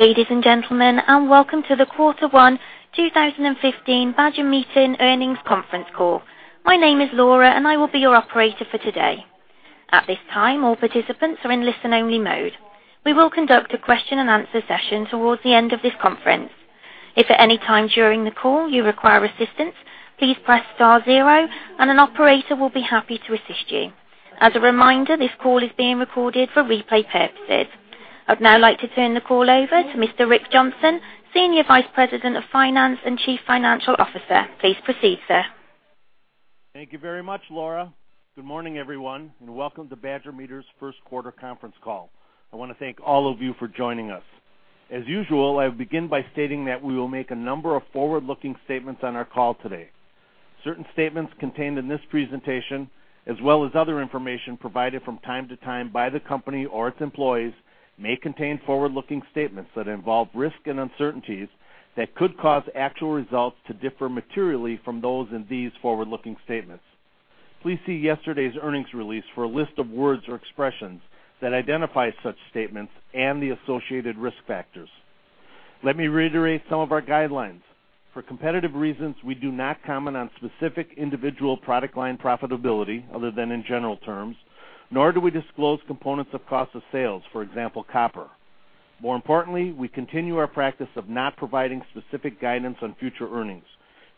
Ladies and gentlemen, welcome to the Quarter One 2015 Badger Meter Earnings Conference Call. My name is Laura, and I will be your operator for today. At this time, all participants are in listen-only mode. We will conduct a question-and-answer session towards the end of this conference. If at any time during the call you require assistance, please press star zero and an operator will be happy to assist you. As a reminder, this call is being recorded for replay purposes. I'd now like to turn the call over to Mr. Rick Johnson, Senior Vice President of Finance and Chief Financial Officer. Please proceed, sir. Thank you very much, Laura. Good morning, everyone, and welcome to Badger Meter's first quarter conference call. I want to thank all of you for joining us. As usual, I'll begin by stating that we will make a number of forward-looking statements on our call today. Certain statements contained in this presentation, as well as other information provided from time to time by the company or its employees may contain forward-looking statements that involve risk and uncertainties that could cause actual results to differ materially from those in these forward-looking statements. Please see yesterday's earnings release for a list of words or expressions that identify such statements and the associated risk factors. Let me reiterate some of our guidelines. For competitive reasons, we do not comment on specific individual product line profitability, other than in general terms, nor do we disclose components of cost of sales, for example, copper. More importantly, we continue our practice of not providing specific guidance on future earnings.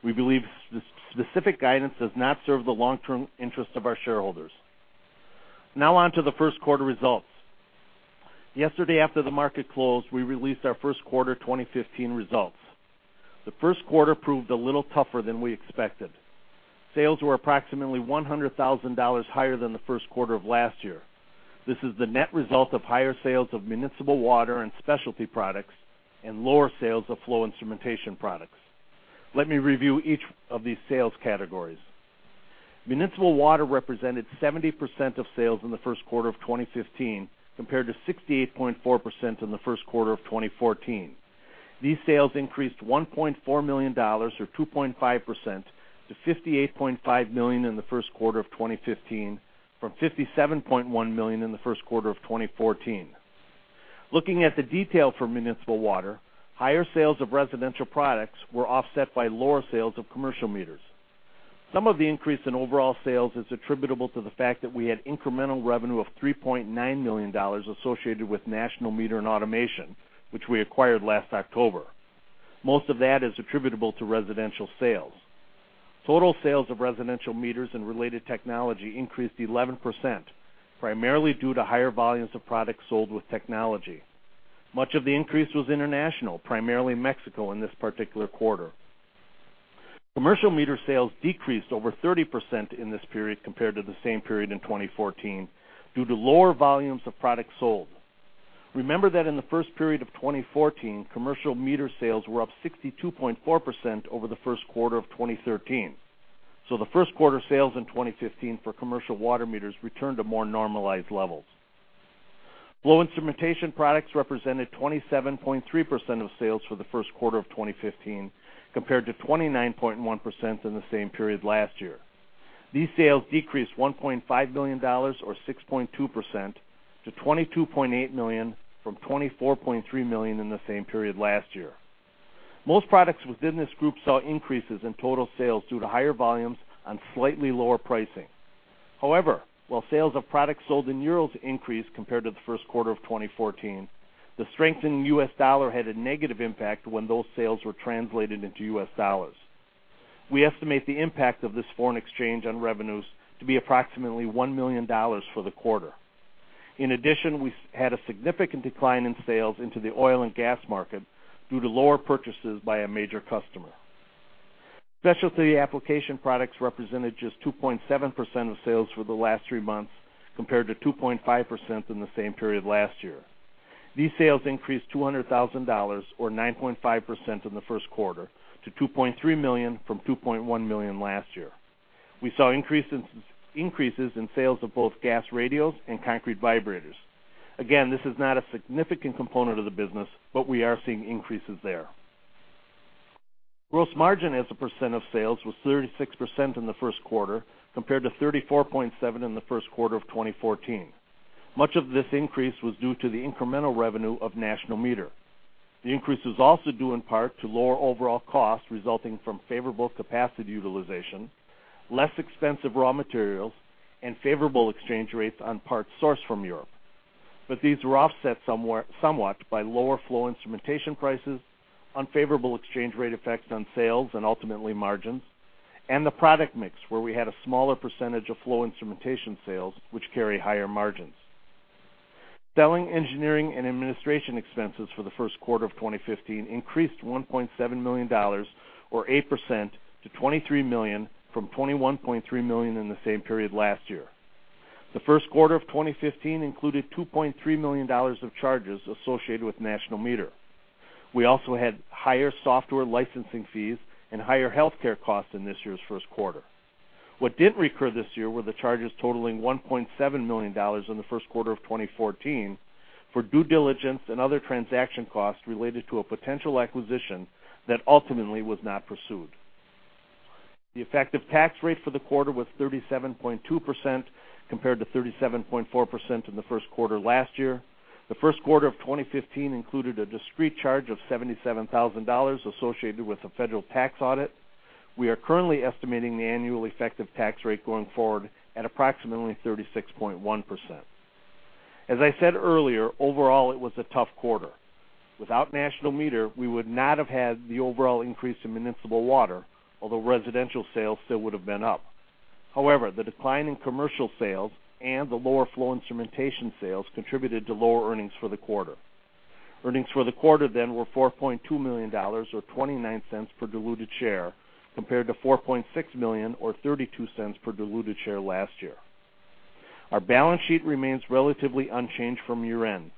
We believe specific guidance does not serve the long-term interest of our shareholders. Now on to the first quarter results. Yesterday, after the market closed, we released our first quarter 2015 results. The first quarter proved a little tougher than we expected. Sales were approximately $100,000 higher than the first quarter of last year. This is the net result of higher sales of municipal water and specialty products and lower sales of flow instrumentation products. Let me review each of these sales categories. Municipal water represented 70% of sales in the first quarter of 2015, compared to 68.4% in the first quarter of 2014. These sales increased $1.4 million or 2.5% to $58.5 million in the first quarter of 2015 from $57.1 million in the first quarter of 2014. Looking at the detail for municipal water, higher sales of residential products were offset by lower sales of commercial meters. Some of the increase in overall sales is attributable to the fact that we had incremental revenue of $3.9 million associated with National Meter and Automation, which we acquired last October. Most of that is attributable to residential sales. Total sales of residential meters and related technology increased 11%, primarily due to higher volumes of products sold with technology. Much of the increase was international, primarily Mexico in this particular quarter. Commercial meter sales decreased over 30% in this period compared to the same period in 2014 due to lower volumes of product sold. Remember that in the first period of 2014, commercial meter sales were up 62.4% over the first quarter of 2013. The first quarter sales in 2015 for commercial water meters returned to more normalized levels. Flow instrumentation products represented 27.3% of sales for the first quarter of 2015, compared to 29.1% in the same period last year. These sales decreased $1.5 million, or 6.2%, to $22.8 million from $24.3 million in the same period last year. Most products within this group saw increases in total sales due to higher volumes and slightly lower pricing. However, while sales of products sold in euros increased compared to the first quarter of 2014, the strengthening US dollar had a negative impact when those sales were translated into US dollars. We estimate the impact of this foreign exchange on revenues to be approximately $1 million for the quarter. In addition, we had a significant decline in sales into the oil and gas market due to lower purchases by a major customer. Specialty application products represented just 2.7% of sales for the last three months, compared to 2.5% in the same period last year. These sales increased $200,000, or 9.5%, in the first quarter, to $2.3 million from $2.1 million last year. We saw increases in sales of both gas radios and concrete vibrators. Again, this is not a significant component of the business, but we are seeing increases there. Gross margin as a percent of sales was 36% in the first quarter, compared to 34.7% in the first quarter of 2014. Much of this increase was due to the incremental revenue of National Meter. The increase was also due in part to lower overall costs resulting from favorable capacity utilization, less expensive raw materials, and favorable exchange rates on parts sourced from Europe. These were offset somewhat by lower flow instrumentation prices, unfavorable exchange rate effects on sales and ultimately margins, and the product mix, where we had a smaller percentage of flow instrumentation sales, which carry higher margins. Selling, engineering, and administration expenses for the first quarter of 2015 increased $1.7 million or 8% to $23 million from $21.3 million in the same period last year. The first quarter of 2015 included $2.3 million of charges associated with National Meter. We also had higher software licensing fees and higher healthcare costs in this year's first quarter. What didn't recur this year were the charges totaling $1.7 million in the first quarter of 2014 for due diligence and other transaction costs related to a potential acquisition that ultimately was not pursued. The effective tax rate for the quarter was 37.2%, compared to 37.4% in the first quarter last year. The first quarter of 2015 included a discrete charge of $77,000 associated with a federal tax audit. We are currently estimating the annual effective tax rate going forward at approximately 36.1%. As I said earlier, overall it was a tough quarter. Without National Meter, we would not have had the overall increase in municipal water, although residential sales still would've been up. However, the decline in commercial sales and the lower flow instrumentation sales contributed to lower earnings for the quarter. Earnings for the quarter then were $4.2 million, or $0.29 per diluted share, compared to $4.6 million or $0.32 per diluted share last year. Our balance sheet remains relatively unchanged from year-end.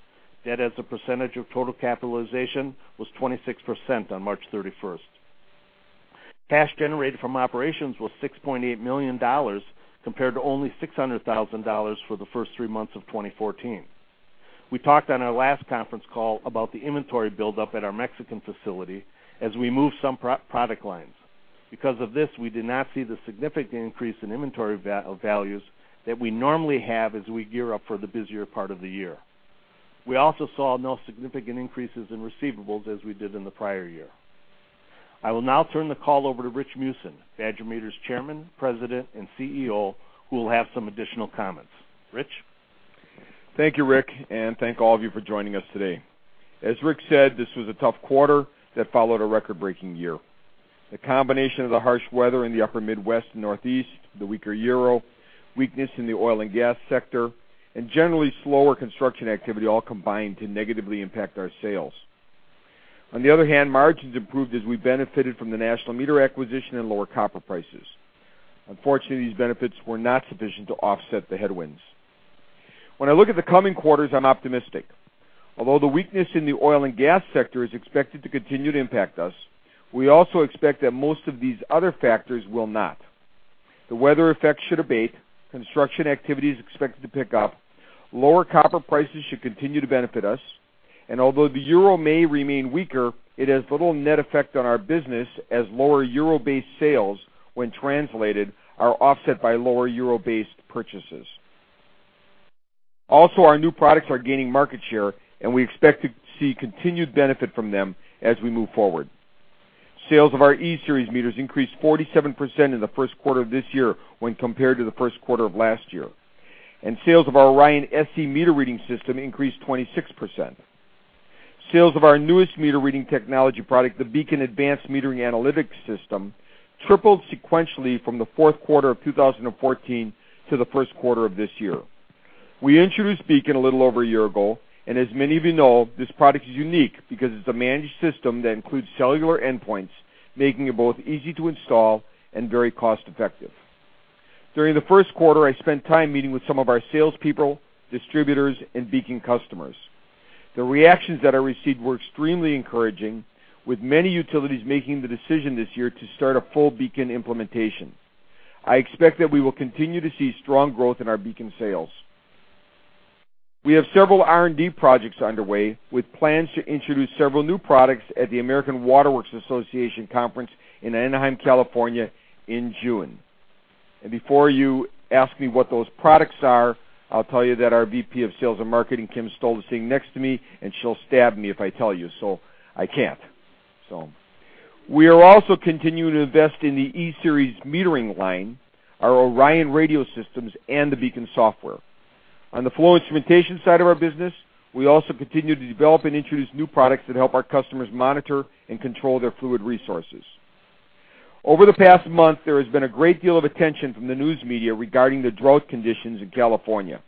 Debt as a percentage of total capitalization was 26% on March 31st. Cash generated from operations was $6.8 million, compared to only $600,000 for the first three months of 2014. We talked on our last conference call about the inventory buildup at our Mexican facility as we moved some product lines. Because of this, we did not see the significant increase in inventory values that we normally have as we gear up for the busier part of the year. We also saw no significant increases in receivables as we did in the prior year. I will now turn the call over to Rich Meeusen, Badger Meter's Chairman, President, and CEO, who will have some additional comments. Rich? Thank you, Rick, and thank all of you for joining us today. As Rick said, this was a tough quarter that followed a record-breaking year. The combination of the harsh weather in the upper Midwest and Northeast, the weaker euro, weakness in the oil and gas sector, and generally slower construction activity all combined to negatively impact our sales. On the other hand, margins improved as we benefited from the National Meter acquisition and lower copper prices. Unfortunately, these benefits were not sufficient to offset the headwinds. When I look at the coming quarters, I am optimistic. Although the weakness in the oil and gas sector is expected to continue to impact us, we also expect that most of these other factors will not. The weather effects should abate. Construction activity is expected to pick up. Lower copper prices should continue to benefit us. Although the euro may remain weaker, it has little net effect on our business, as lower euro-based sales, when translated, are offset by lower euro-based purchases. Also, our new products are gaining market share, and we expect to see continued benefit from them as we move forward. Sales of our E-Series meters increased 47% in the first quarter of this year when compared to the first quarter of last year. Sales of our ORION SE meter-reading system increased 26%. Sales of our newest meter reading technology product, the BEACON Advanced Metering Analytics system, tripled sequentially from the fourth quarter of 2014 to the first quarter of this year. We introduced BEACON a little over a year ago, as many of you know, this product is unique because it is a managed system that includes cellular endpoints, making it both easy to install and very cost-effective. During the first quarter, I spent time meeting with some of our salespeople, distributors, and BEACON customers. The reactions that I received were extremely encouraging, with many utilities making the decision this year to start a full BEACON implementation. I expect that we will continue to see strong growth in our BEACON sales. We have several R&D projects underway, with plans to introduce several new products at the American Water Works Association conference in Anaheim, California, in June. Before you ask me what those products are, I will tell you that our VP of Sales and Marketing, Kim Stoll, is sitting next to me, and she will stab me if I tell you, I cannot. We are also continuing to invest in the E-Series metering line, our ORION radio systems, and the BEACON software. On the flow instrumentation side of our business, we also continue to develop and introduce new products that help our customers monitor and control their fluid resources. Over the past month, there has been a great deal of attention from the news media regarding the drought conditions in California.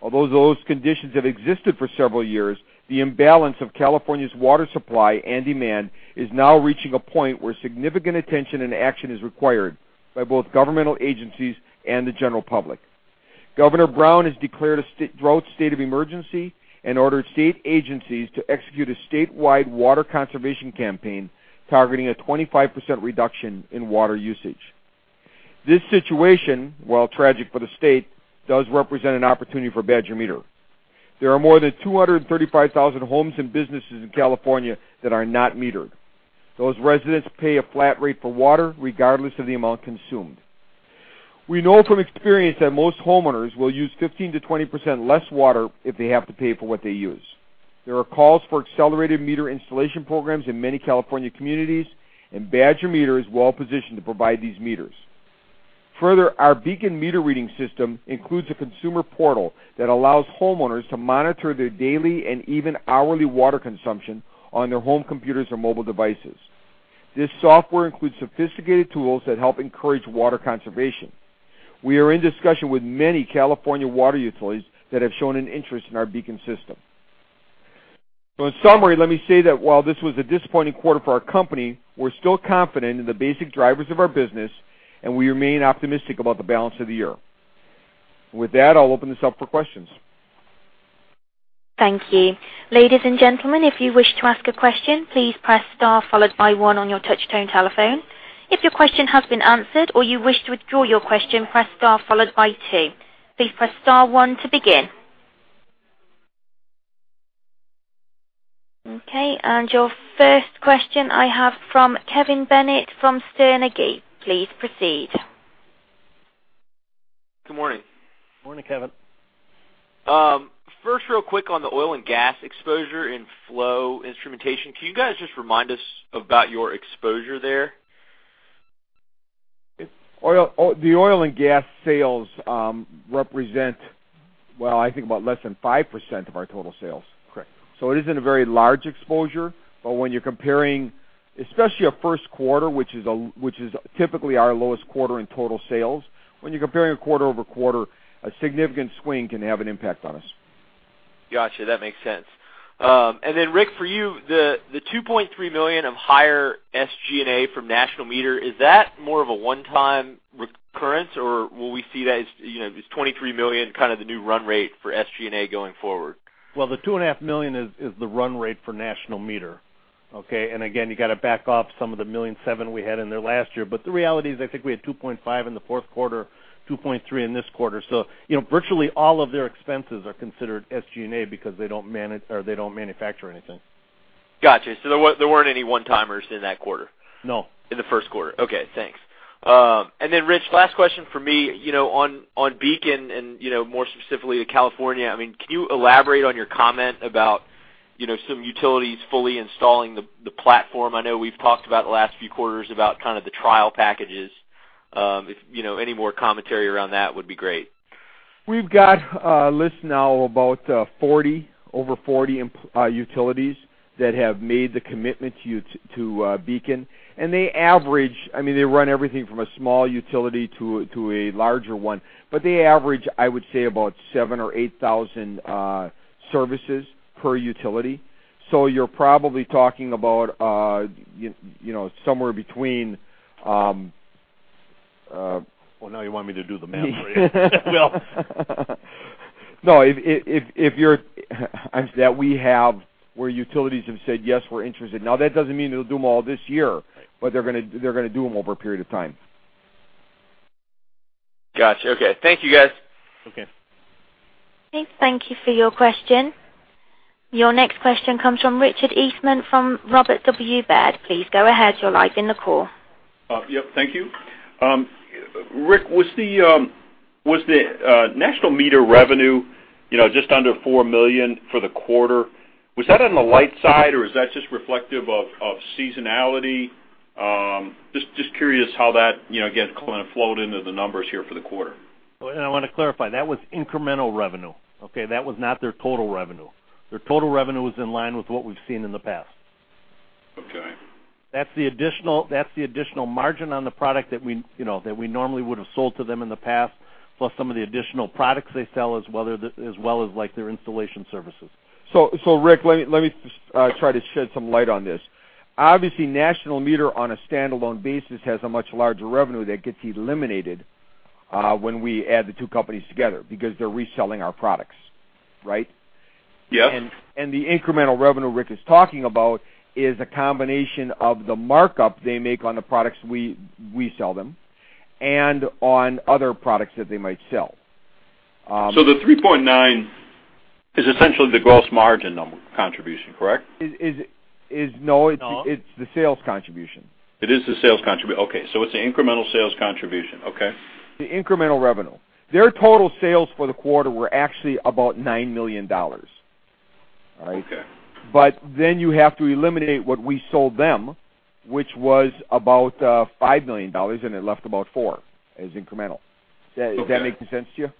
Although those conditions have existed for several years, the imbalance of California's water supply and demand is now reaching a point where significant attention and action is required by both governmental agencies and the general public. Governor Brown has declared a drought state of emergency and ordered state agencies to execute a statewide water conservation campaign targeting a 25% reduction in water usage. This situation, while tragic for the state, does represent an opportunity for Badger Meter. There are more than 235,000 homes and businesses in California that are not metered. Those residents pay a flat rate for water regardless of the amount consumed. We know from experience that most homeowners will use 15%-20% less water if they have to pay for what they use. There are calls for accelerated meter installation programs in many California communities, Badger Meter is well-positioned to provide these meters. Further, our BEACON meter reading system includes a consumer portal that allows homeowners to monitor their daily and even hourly water consumption on their home computers or mobile devices. This software includes sophisticated tools that help encourage water conservation. We are in discussion with many California water utilities that have shown an interest in our BEACON system. In summary, let me say that while this was a disappointing quarter for our company, we're still confident in the basic drivers of our business, and we remain optimistic about the balance of the year. With that, I'll open this up for questions. Thank you. Ladies and gentlemen, if you wish to ask a question, please press star followed by one on your touchtone telephone. If your question has been answered or you wish to withdraw your question, press star followed by two. Please press star one to begin. Okay. Your first question I have from Kevin Bennett from Sterne Agee. Please proceed. Good morning. Morning, Kevin. Real quick on the oil and gas exposure in flow instrumentation. Can you guys just remind us about your exposure there? The oil and gas sales represent, well, I think about less than 5% of our total sales. Correct. It isn't a very large exposure. When you're comparing, especially a first quarter, which is typically our lowest quarter in total sales, when you're comparing a quarter-over-quarter, a significant swing can have an impact on us. Got you. That makes sense. Rick, for you, the $2.3 million of higher SG&A from National Meter, is that more of a one-time recurrence, or will we see that as this $23 million kind of the new run rate for SG&A going forward? Well, the two and a half million is the run rate for National Meter. Okay. Again, you got to back off some of the $1.7 million we had in there last year. The reality is, I think we had $2.5 million in the fourth quarter, $2.3 million in this quarter. Virtually all of their expenses are considered SG&A because they don't manufacture anything. Got you. There weren't any one-timers in that quarter? No. In the first quarter. Okay, thanks. Rick, last question from me, on BEACON and more specifically to California, can you elaborate on your comment about some utilities fully installing the platform? I know we've talked about the last few quarters about kind of the trial packages. Any more commentary around that would be great. We've got a list now about over 40 utilities that have made the commitment to BEACON. They run everything from a small utility to a larger one, they average, I would say, about 7,000 or 8,000 services per utility. You're probably talking about somewhere between Well, now you want me to do the math for you? No. That we have where utilities have said, "Yes, we're interested." That doesn't mean they'll do them all this year. Right. They're going to do them over a period of time. Got you. Okay. Thank you, guys. Okay. Okay. Thank you for your question. Your next question comes from Richard Eastman from Robert W. Baird. Please go ahead. You're live in the call. Yep. Thank you. Rick, was the National Meter revenue just under $4 million for the quarter? Was that on the light side, or is that just reflective of seasonality? Just curious how that, again, kind of flowed into the numbers here for the quarter. I want to clarify, that was incremental revenue. Okay? That was not their total revenue. Their total revenue was in line with what we've seen in the past. Okay. That's the additional margin on the product that we normally would have sold to them in the past, plus some of the additional products they sell, as well as like their installation services. Rick, let me just try to shed some light on this. Obviously, National Meter, on a standalone basis, has a much larger revenue that gets eliminated when we add the two companies together because they're reselling our products, right? Yes. The incremental revenue Rick is talking about is a combination of the markup they make on the products we sell them and on other products that they might sell. The 3.9 is essentially the gross margin number contribution, correct? No it's the sales contribution. It is the sales contribution. Okay, it's the incremental sales contribution. Okay. The incremental revenue. Their total sales for the quarter were actually about $9 million. All right? Okay. You have to eliminate what we sold them, which was about $5 million, and it left about four as incremental. Okay. Does that make sense to you?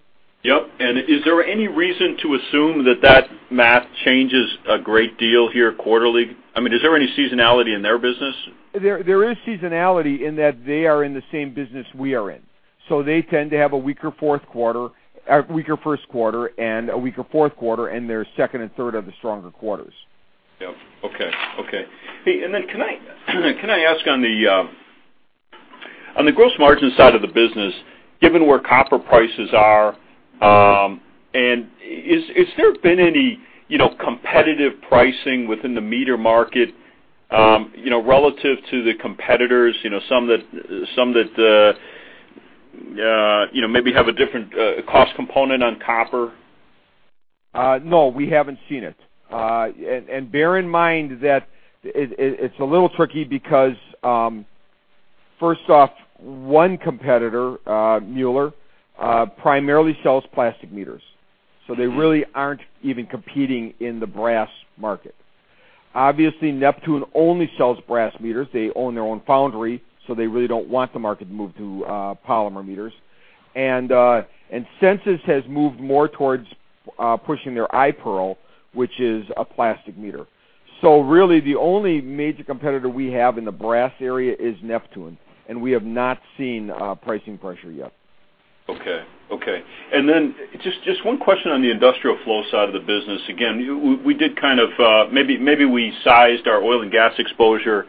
Yep. Is there any reason to assume that that math changes a great deal here quarterly? Is there any seasonality in their business? There is seasonality in that they are in the same business we are in. They tend to have a weaker first quarter, and a weaker fourth quarter, and their second and third are the stronger quarters. Yep. Okay. Hey, then can I ask on the gross margin side of the business, given where copper prices are, and has there been any competitive pricing within the meter market relative to the competitors, some that maybe have a different cost component on copper? No, we haven't seen it. Bear in mind that it's a little tricky because, first off, one competitor, Mueller, primarily sells plastic meters, so they really aren't even competing in the brass market. Obviously, Neptune only sells brass meters. They own their own foundry, so they really don't want the market to move to polymer meters. Sensus has moved more towards pushing their iPERL, which is a plastic meter. Really, the only major competitor we have in the brass area is Neptune, we have not seen pricing pressure yet. Okay. Then, just one question on the industrial flow side of the business. Again, we did kind of, maybe we sized our oil and gas exposure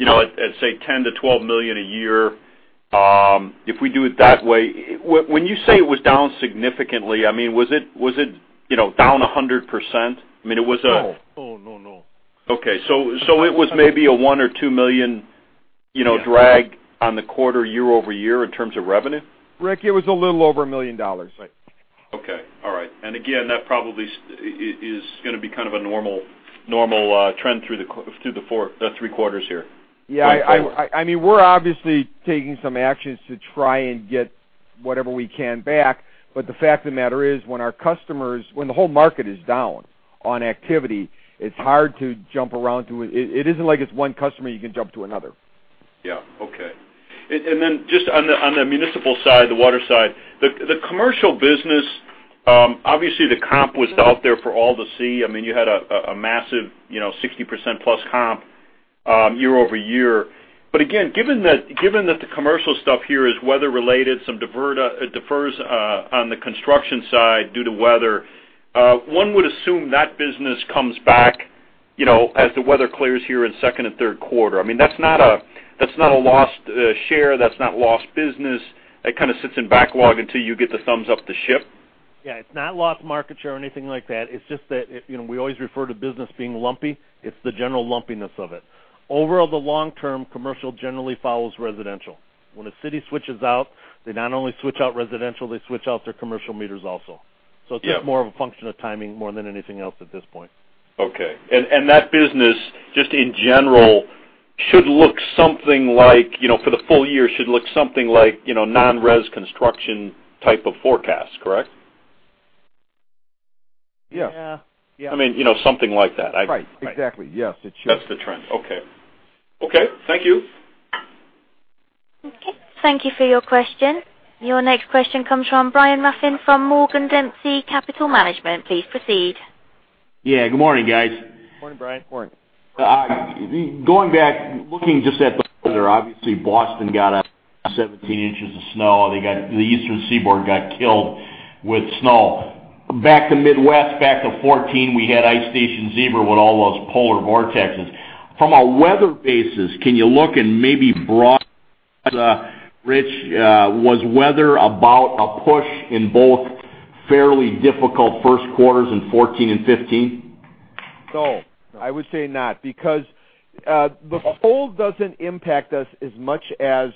at, say, $10 million-$12 million a year. If we do it that way, when you say it was down significantly, was it down 100%? I mean, it was. No. Oh, no. Okay. It was maybe a $1 or $2 million, you know, drag on the quarter year-over-year in terms of revenue? Rick, it was a little over $1 million. Right. Okay. All right. Again, that probably is going to be kind of a normal trend through the three quarters here. We're obviously taking some actions to try and get whatever we can back, but the fact of the matter is, when our customers, when the whole market is down on activity, it's hard to jump around to it. It isn't like it's one customer you can jump to another. Just on the municipal side, the water side, the commercial business, obviously the comp was out there for all to see. You had a massive 60% plus comp year-over-year. Again, given that the commercial stuff here is weather related, some defers on the construction side due to weather, one would assume that business comes back, as the weather clears here in second and third quarter. That's not a lost share. That's not lost business. It kind of sits in backlog until you get the thumbs up to ship. It's not lost market share or anything like that. It's just that, we always refer to business being lumpy. It's the general lumpiness of it. Overall, the long-term commercial generally follows residential. When a city switches out, they not only switch out residential, they switch out their commercial meters also. Yeah. It's just more of a function of timing more than anything else at this point. Okay. That business, just in general, should look something like, for the full year, should look something like non-res construction type of forecast, correct? Yeah. Something like that. Right. Exactly. Yes. It should. That's the trend. Okay. Thank you. Okay. Thank you for your question. Your next question comes from Brian Dempsey from Morgan Dempsey Capital Management. Please proceed. Yeah. Good morning, guys. Morning, Brian. Morning. Going back, looking just at the weather, obviously Boston got 17 inches of snow. The Eastern Seaboard got killed with snow. Back to Midwest, back to 2014, we had Ice Station Zebra with all those polar vortexes. From a weather basis, can you look and maybe broadly, Rich, was weather about a push in both fairly difficult first quarters in 2014 and 2015? No, I would say not, because the cold doesn't impact us as much as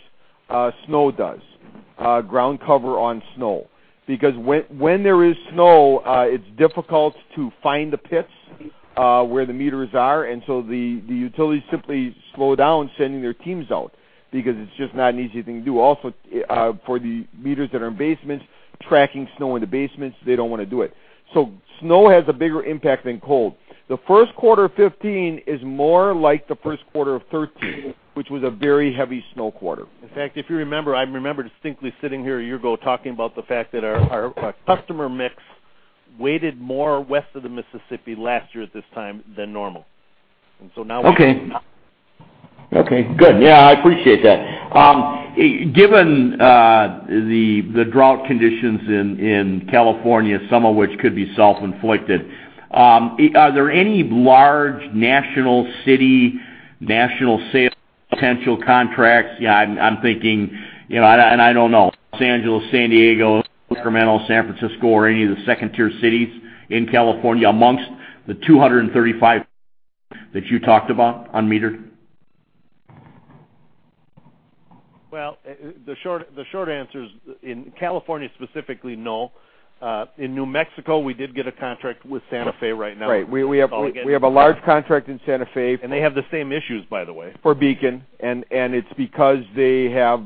snow does. Ground cover on snow. When there is snow, it's difficult to find the pits, where the meters are, and so the utilities simply slow down sending their teams out, because it's just not an easy thing to do. Also, for the meters that are in basements, tracking snow in the basements, they don't want to do it. Snow has a bigger impact than cold. The first quarter of 2015 is more like the first quarter of 2013, which was a very heavy snow quarter. In fact, if you remember, I remember distinctly sitting here a year ago talking about the fact that our customer mix weighted more west of the Mississippi last year at this time than normal. Okay. Good. Yeah, I appreciate that. Given the drought conditions in California, some of which could be self-inflicted, are there any large national city, National Meter potential contracts? I'm thinking, and I don't know, Los Angeles, San Diego, Sacramento, San Francisco or any of the second-tier cities in California amongst the 235 that you talked about on meter? The short answer is in California specifically, no. In New Mexico, we did get a contract with Santa Fe right now. Right. We have a large contract in Santa Fe. They have the same issues, by the way. for BEACON, and it's because they have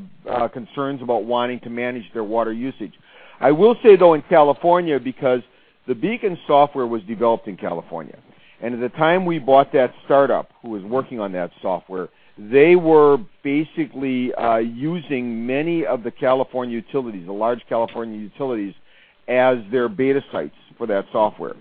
concerns about wanting to manage their water usage. I will say, though, in California, because the BEACON software was developed in California. At the time we bought that startup who was working on that software, they were basically using many of the California utilities, the large California utilities, as their beta sites for that software.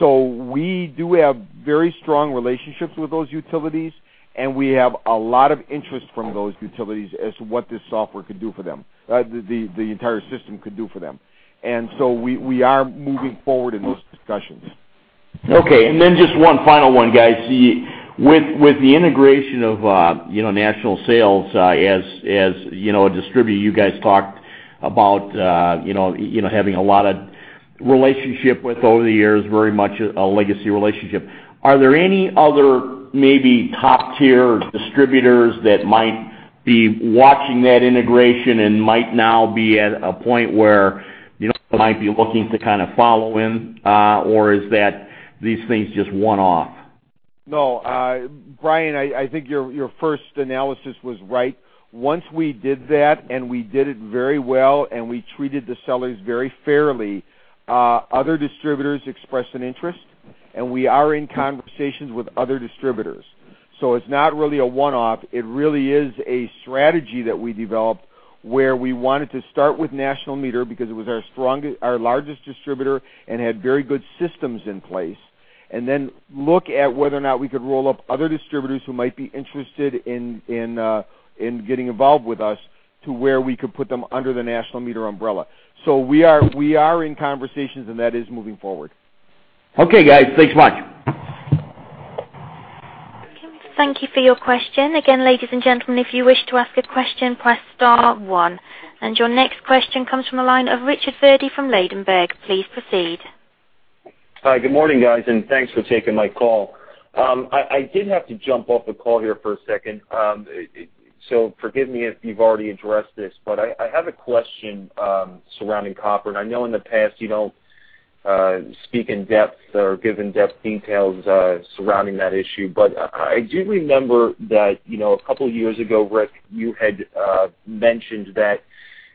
We do have very strong relationships with those utilities, and we have a lot of interest from those utilities as to what this software could do for them, the entire system could do for them. We are moving forward in those discussions. Okay. Then just one final one, guys. With the integration of National Meter as a distributor, you guys talked about having a lot of relationship with over the years, very much a legacy relationship. Are there any other maybe top-tier distributors that might be watching that integration and might now be at a point where they might be looking to follow in, or is that these things just one-off? No. Brian, I think your first analysis was right. Once we did that, we did it very well, and we treated the sellers very fairly, other distributors expressed an interest, we are in conversations with other distributors. It's not really a one-off. It really is a strategy that we developed where we wanted to start with National Meter because it was our strongest, our largest distributor and had very good systems in place. Then look at whether or not we could roll up other distributors who might be interested in getting involved with us to where we could put them under the National Meter umbrella. We are in conversations, that is moving forward. Okay, guys. Thanks a lot. Thank you for your question. Again, ladies and gentlemen, if you wish to ask a question, press star one. Your next question comes from the line of Richard Verdi from Ladenburg. Please proceed. Hi. Good morning, guys, thanks for taking my call. I did have to jump off the call here for a second, so forgive me if you've already addressed this, but I have a question surrounding copper. I know in the past you don't speak in depth or give in-depth details surrounding that issue. I do remember that a couple of years ago, Rick, you had mentioned that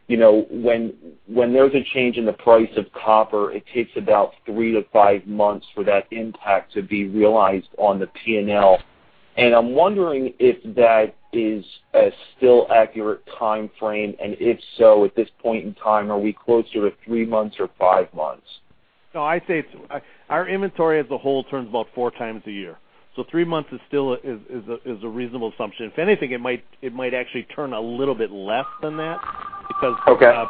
when there's a change in the price of copper, it takes about three to five months for that impact to be realized on the P&L. I'm wondering if that is a still accurate timeframe, and if so, at this point in time, are we closer to three months or five months? No, our inventory as a whole turns about four times a year. Three months is still a reasonable assumption. If anything, it might actually turn a little bit less than that because. Okay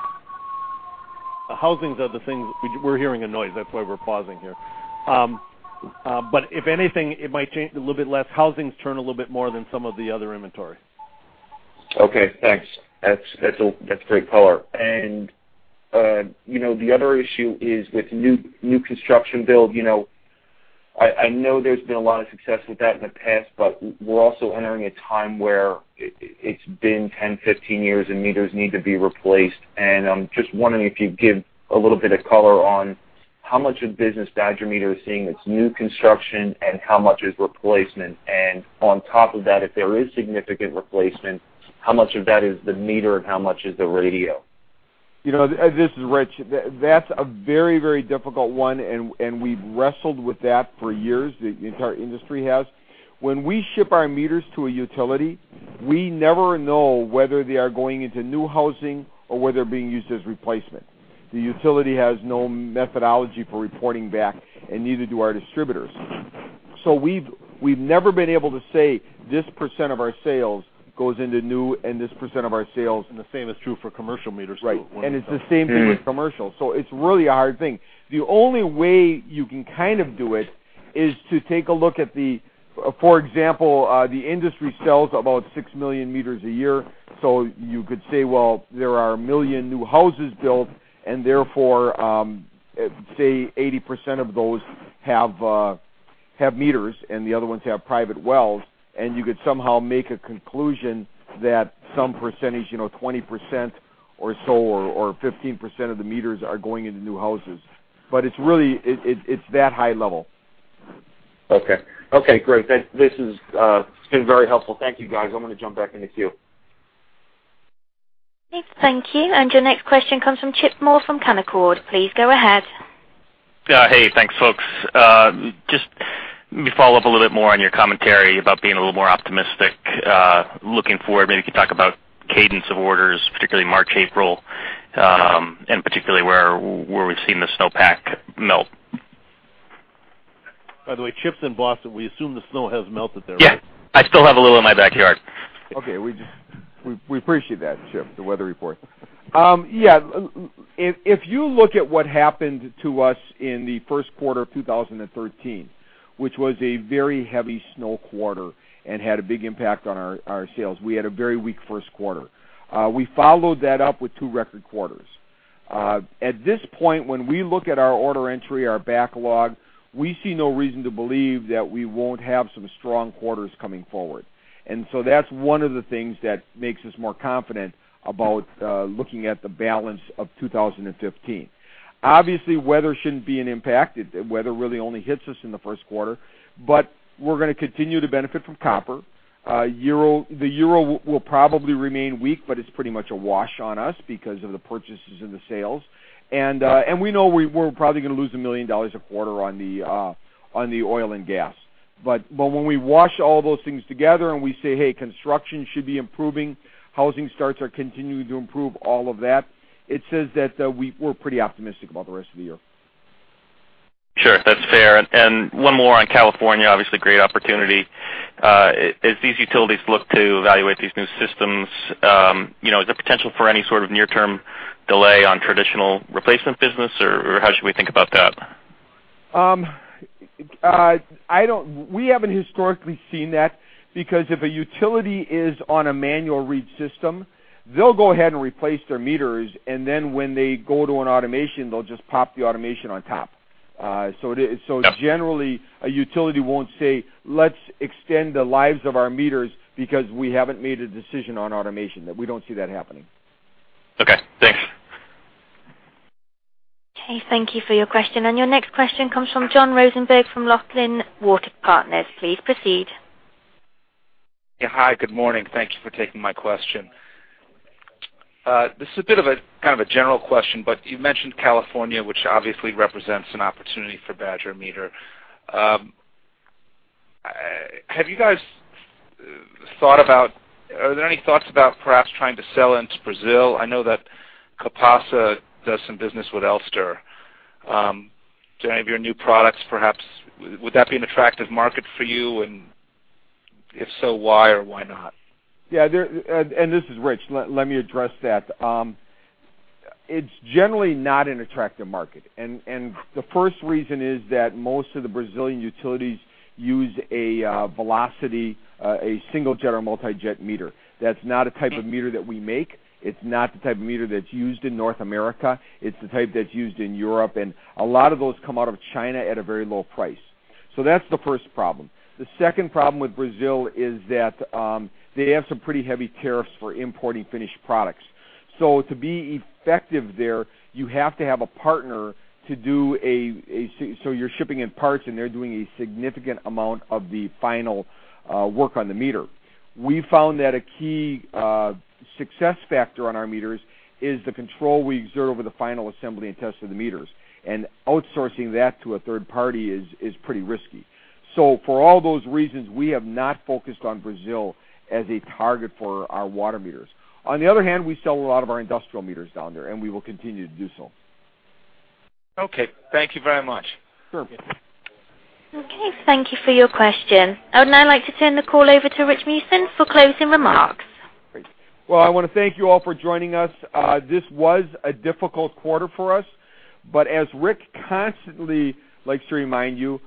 The housings are the thing. We're hearing a noise, that's why we're pausing here. If anything, it might change a little bit less. Housings turn a little bit more than some of the other inventory. Okay, thanks. That's great color. The other issue is with new construction build. I know there's been a lot of success with that in the past, we're also entering a time where it's been 10, 15 years, and meters need to be replaced. I'm just wondering if you'd give a little bit of color on how much of business Badger Meter is seeing that's new construction and how much is replacement. On top of that, if there is significant replacement, how much of that is the meter and how much is the radio? This is Rich. That's a very, very difficult one, we've wrestled with that for years, the entire industry has. When we ship our meters to a utility, we never know whether they are going into new housing or whether they're being used as replacement. The utility has no methodology for reporting back, neither do our distributors. We've never been able to say this percent of our sales goes into new and this percent of our sales. The same is true for commercial meters, too. Right. It's the same thing with commercial, so it's really a hard thing. The only way you can kind of do it is to take a look at the, for example, the industry sells about 6 million meters a year. So you could say, well, there are 1 million new houses built, and therefore, say 80% of those have meters, and the other ones have private wells. You could somehow make a conclusion that some percentage, 20% or so, or 15% of the meters are going into new houses. It's that high level. Okay. Okay, great. This has been very helpful. Thank you, guys. I'm going to jump back in the queue. Okay, thank you. Your next question comes from Chip Moore from Canaccord. Please go ahead. Hey. Thanks, folks. Just let me follow up a little bit more on your commentary about being a little more optimistic. Looking forward, maybe you could talk about cadence of orders, particularly March, April, and particularly where we've seen the snowpack melt. By the way, Chip's in Boston. We assume the snow has melted there, right? Yeah. I still have a little in my backyard. Okay, we appreciate that, Chip, the weather report. Yeah. If you look at what happened to us in the first quarter of 2013, which was a very heavy snow quarter and had a big impact on our sales, we had a very weak first quarter. We followed that up with two record quarters. At this point, when we look at our order entry, our backlog, we see no reason to believe that we won't have some strong quarters coming forward. That's one of the things that makes us more confident about looking at the balance of 2015. Obviously, weather shouldn't be an impact. Weather really only hits us in the first quarter. We're going to continue to benefit from copper. The euro will probably remain weak, but it's pretty much a wash on us because of the purchases and the sales. We know we're probably going to lose $1 million a quarter on the oil and gas. When we wash all those things together and we say, "Hey, construction should be improving, housing starts are continuing to improve," all of that, it says that we're pretty optimistic about the rest of the year. Sure. That's fair. One more on California, obviously, great opportunity. As these utilities look to evaluate these new systems, is there potential for any sort of near-term delay on traditional replacement business, or how should we think about that? We haven't historically seen that because if a utility is on a manual read system, they'll go ahead and replace their meters, and then when they go to an automation, they'll just pop the automation on top. Generally, a utility won't say, "Let's extend the lives of our meters because we haven't made a decision on automation." We don't see that happening. Okay, thanks. Okay, thank you for your question. Your next question comes from John Rosenberg from Loughlin Water Partners. Please proceed. Yeah. Hi, good morning. Thank you for taking my question. This is a bit of a kind of a general question, but you mentioned California, which obviously represents an opportunity for Badger Meter. Are there any thoughts about perhaps trying to sell into Brazil? I know that COPASA does some business with Elster. Do any of your new products, perhaps, would that be an attractive market for you? If so, why or why not? Yeah. This is Rich. Let me address that. It's generally not an attractive market. The first reason is that most of the Brazilian utilities use a velocity, a single-jet or multi-jet meter. That's not a type of meter that we make. It's not the type of meter that's used in North America. It's the type that's used in Europe, and a lot of those come out of China at a very low price. That's the first problem. The second problem with Brazil is that they have some pretty heavy tariffs for importing finished products. To be effective there, you have to have a partner. You're shipping in parts, and they're doing a significant amount of the final work on the meter. We found that a key success factor on our meters is the control we exert over the final assembly and test of the meters, and outsourcing that to a third party is pretty risky. For all those reasons, we have not focused on Brazil as a target for our water meters. On the other hand, we sell a lot of our industrial meters down there, and we will continue to do so. Okay. Thank you very much. Sure. Okay. Thank you for your question. I would now like to turn the call over to Rich Meeusen for closing remarks. Well, I want to thank you all for joining us. This was a difficult quarter for us, but as Rick constantly likes to remind you,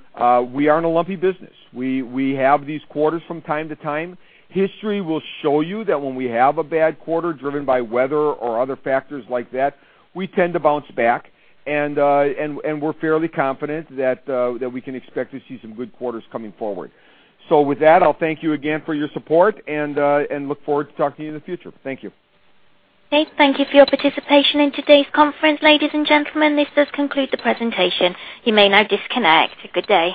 we are in a lumpy business. We have these quarters from time to time. History will show you that when we have a bad quarter driven by weather or other factors like that, we tend to bounce back. We're fairly confident that we can expect to see some good quarters coming forward. With that, I'll thank you again for your support and look forward to talking to you in the future. Thank you. Okay. Thank you for your participation in today's conference, ladies and gentlemen. This does conclude the presentation. You may now disconnect. Good day.